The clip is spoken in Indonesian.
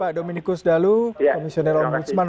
pak dominikus dalu komisioner om busman